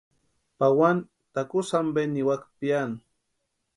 Pawani takusï ampe niwaka piani.